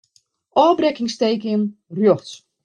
Ofbrekkingsteken rjochts.